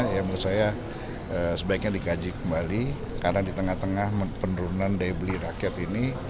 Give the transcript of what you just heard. ya menurut saya sebaiknya dikaji kembali karena di tengah tengah penurunan daya beli rakyat ini